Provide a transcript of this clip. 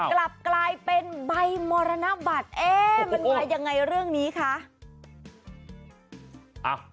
กลับกลายเป็นใบมรณบัตรเอ๊ะมันมายังไงเรื่องนี้คะ